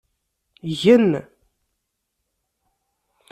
Gen.